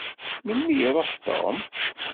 Melmi i iṛuḥ Tom?